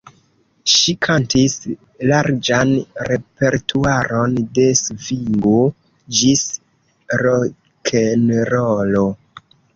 Ŝi kantis larĝan repertuaron de svingo ĝis rokenrolo.